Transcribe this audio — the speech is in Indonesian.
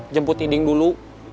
jemput iding dulu